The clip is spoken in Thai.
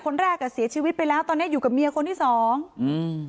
แรกอ่ะเสียชีวิตไปแล้วตอนเนี้ยอยู่กับเมียคนที่สองอืม